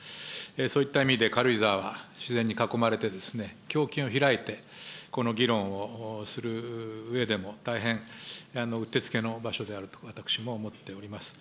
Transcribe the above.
そういった意味で軽井沢は自然に囲まれて、胸襟を開いて、この議論をするうえでも、大変うってつけの場所であると、私も思っております。